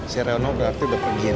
si reno berarti udah pergi nih